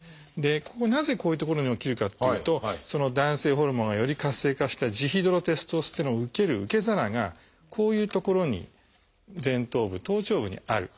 ここなぜこういう所に起きるかっていうと男性ホルモンがより活性化したジヒドロテストステロンを受ける受け皿がこういう所に前頭部頭頂部にある。